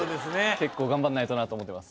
結構頑張んないとなと思ってます。